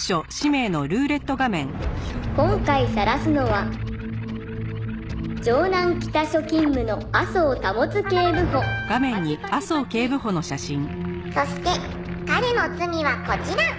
「今回さらすのは城南北署勤務の麻生保警部補」「パチパチパチ」「そして彼の罪はこちら！」